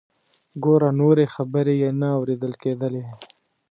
ګوره…. نورې خبرې یې نه اوریدل کیدلې.